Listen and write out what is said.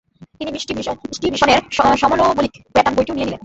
তিনি ষ্টিভিনশনের সমনোমাবলিক প্যাটার্ন বইটিও নিয়ে নিলেন।